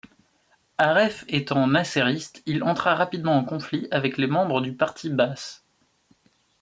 Aref étant nassériste, il entra rapidement en conflit avec les membres du parti Baas.